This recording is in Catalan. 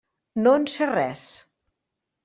No en sé res.